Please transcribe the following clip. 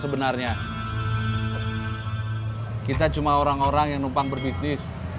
sebenarnya kita cuma orang orang yang numpang berbisnis